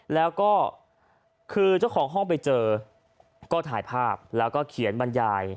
แล้วก็คือเจ้าของห้องไปเจอก็ถ่ายภาพแล้วก็เขียนบรรยาย